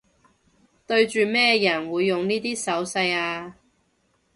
對住咩人會用呢啲手勢吖